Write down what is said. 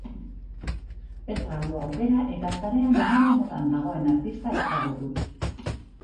Ez galdu aukera eta sarean moda-modan dagoen artista ezagutu.